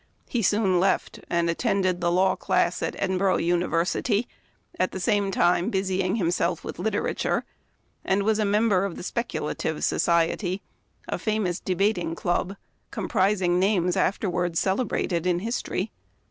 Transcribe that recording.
He soon left, and attended the law class at Edinburgh University, at the same time busying him self with literature, and was a member of the " Speculative Society," a famous debating club, comprising names afterward celebrated in history.